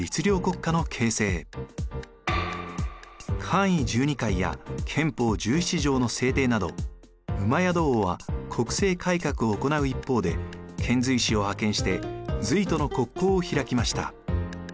冠位十二階や憲法十七条の制定など戸王は国政改革を行う一方で遣隋使を派遣して隋との国交を開きました。